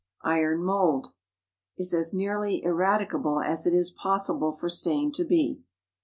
IRON MOULD Is as nearly ineradicable as it is possible for stain to be.